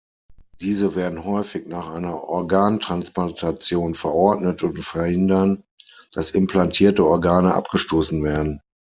Diese werden häufig nach einer Organtransplantation verordnet und verhindern, dass implantierte Organe abgestoßen werden.